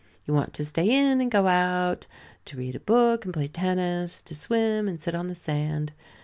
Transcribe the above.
You want to stay in and go out, to read a book and play tennis, to swim and sit on the sand.